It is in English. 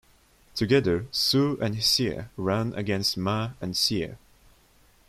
Together, Su and Hsieh ran against Ma and Siew.